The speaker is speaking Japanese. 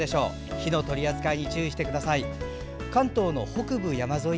火の取り扱いに注意してください。